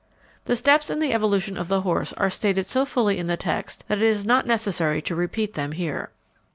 _ The steps in the evolution of the horse are stated so fully in the text that it is not necessary to repeat them here.